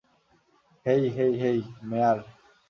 হেই hey hey, মেয়ার!